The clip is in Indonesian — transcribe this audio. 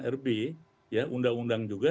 rb ya undang undang juga